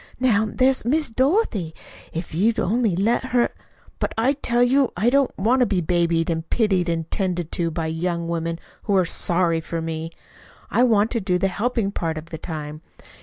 "Now there's Miss Dorothy if you'd only let her " "But I tell you I don't want to be babied and pitied and 'tended to by young women who are SORRY for me. I want to do the helping part of the time.